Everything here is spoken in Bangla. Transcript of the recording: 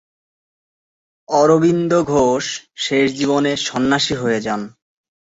অরবিন্দ ঘোষ শেষ জীবনে সন্ন্যাসী হয়ে যান।